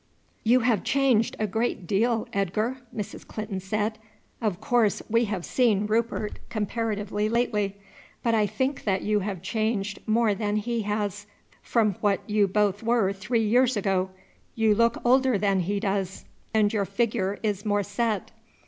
"You have changed a great deal, Edgar," Mrs. Clinton said. "Of course we have seen Rupert comparatively lately; but I think that you have changed more than he has from what you both were three years ago. You look older than he does, and your figure is more set."